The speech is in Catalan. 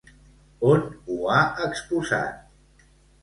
On ho ha exposat?